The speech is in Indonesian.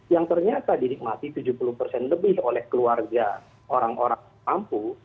yang ternyata didikmati tujuh puluh persen lebih oleh keluarga orang orang mampu